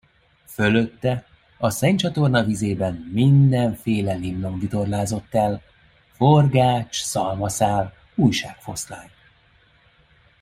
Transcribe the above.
Fölötte, a szennycsatorna vizében, mindenféle limlom vitorlázott el: forgács, szalmaszál, újságfoszlány.